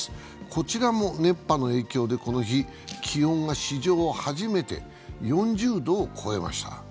こちらも熱波の影響でこの日、気温が史上初めて４０度を超えました。